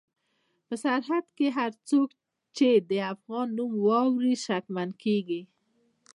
په سرحد کې هر څوک چې د افغان نوم واوري شکمن کېږي.